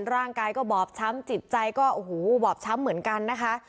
ร่างกายก็บอบช้ำจิตใจก็โอ้โหบอบช้ำเหมือนกันนะคะ